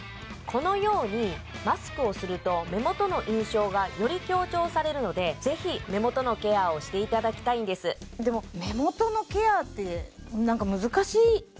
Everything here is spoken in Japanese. このようにマスクをすると目元の印象がより強調されるのでぜひ目元のケアをしていただきたいんですでもそうですよね